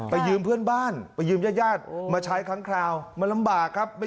ยืมเพื่อนบ้านไปยืมญาติญาติมาใช้ครั้งคราวมันลำบากครับ